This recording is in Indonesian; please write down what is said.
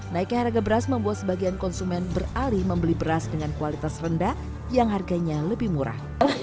naiknya harga beras membuat sebagian konsumen beralih membeli beras dengan kualitas rendah yang harganya lebih murah